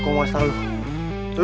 kok waspada lu